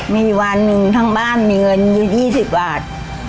มีวันหนึ่งทั้งบ้านมีเงินอยู่๒๐บาท